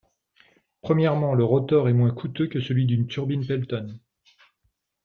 Premièrement, le rotor est moins coûteux que celui d'une turbine Pelton.